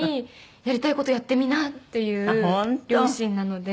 やりたい事やってみなっていう両親なので。